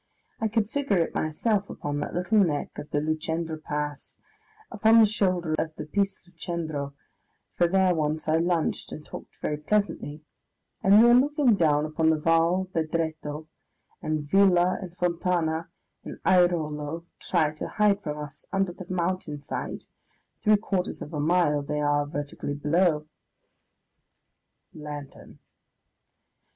I could figure it myself upon that little neck of the Lucendro Pass, upon the shoulder of the Piz Lucendro, for there once I lunched and talked very pleasantly, and we are looking down upon the Val Bedretto, and Villa and Fontana and Airolo try to hide from us under the mountain side three quarters of a mile they are vertically below. (Lantern.)